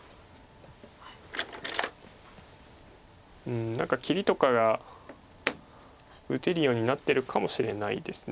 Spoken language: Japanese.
うん何か切りとかが打てるようになってるかもしれないです。